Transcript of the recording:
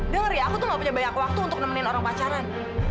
denger ya aku tuh gak punya banyak waktu untuk nemenin orang pacaran